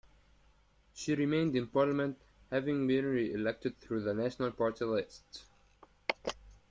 She remained in Parliament, having been re-elected through the National Party list.